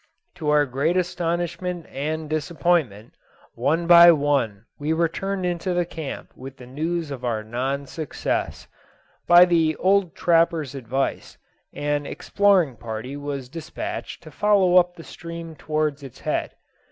To our great astonishment and disappointment, one by one we returned into the camp with the news of our non success. By the old trapper's advice, an exploring party was despatched to follow up the stream towards its head.